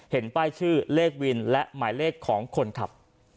เห็นป้ายชื่อเลขวินและหมายเลขของคนขับ